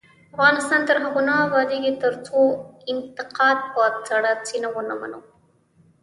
افغانستان تر هغو نه ابادیږي، ترڅو انتقاد په سړه سینه ونه منو.